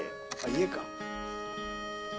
家か。